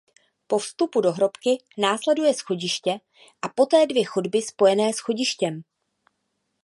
Po vstupu do hrobky následuje schodiště a poté dvě chodby spojené schodištěm.